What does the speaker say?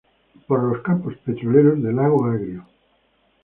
Por los Campos Petroleros de Lago Agrio.